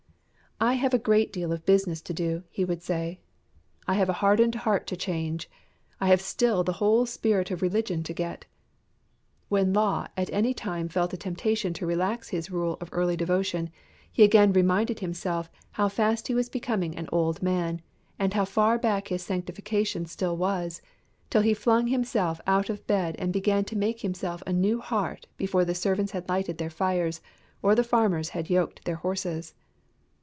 I have a great deal of business to do, he would say. I have a hardened heart to change; I have still the whole spirit of religion to get. When Law at any time felt a temptation to relax his rule of early devotion, he again reminded himself how fast he was becoming an old man, and how far back his sanctification still was, till he flung himself out of bed and began to make himself a new heart before the servants had lighted their fires or the farmers had yoked their horses.